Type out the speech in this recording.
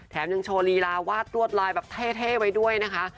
ยังโชว์ลีลาวาดรวดลายแบบเท่ไว้ด้วยนะคะ